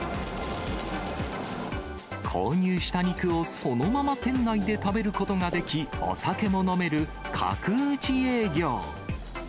購入した肉をそのまま店内で食べることができ、お酒も飲める角打ち営業。